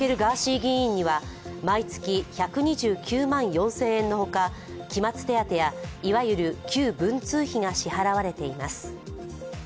議員には毎月１２９万４０００円のほか期末手当や、いわゆる旧文通費が支払われています。